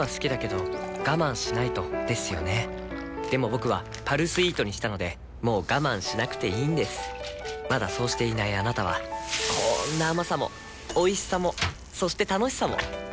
僕は「パルスイート」にしたのでもう我慢しなくていいんですまだそうしていないあなたはこんな甘さもおいしさもそして楽しさもあちっ。